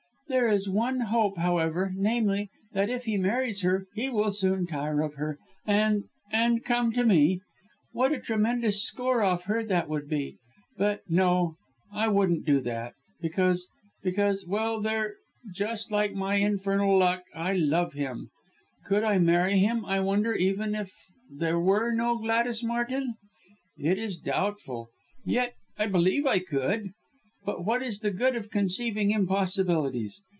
There is one hope, however, namely that if he marries her, he will soon tire of her and and come to me. What a tremendous score off her that would be! But, no! I wouldn't do that! Because because well there just like my infernal luck I love him. Could I marry him, I wonder, even if there were no Gladys Martin? It is doubtful! Yet I believe I could. But what is the good of conceiving impossibilities!